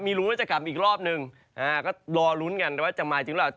ไม่รู้ว่าจะกลับอีกรอบนึงก็รอลุ้นกันว่าจะมาจริงหรือเปล่า